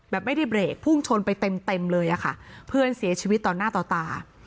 แบบไม่ได้เบรกพุ่งชนไปเต็มเต็มเลยอะค่ะเพื่อนเสียชีวิตต่อหน้าต่อตา